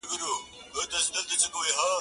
د ژوند په جوارۍ کي مو دي هر څه که بایللي,